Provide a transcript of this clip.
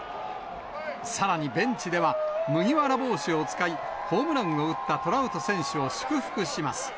さらにベンチでは麦わら帽子を使い、ホームランを打ったトラウト選手を祝福します。